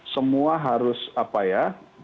semua harus apa ya